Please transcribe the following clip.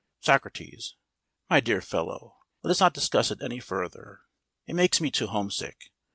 SOCRATES: My dear fellow, let us not discuss it any further. It makes me too homesick.